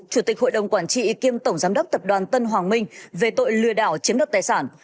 chủ tịch hội đồng quản trị kiêm tổng giám đốc tập đoàn tân hoàng minh về tội lừa đảo chiếm đất tài sản